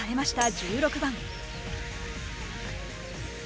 １６番。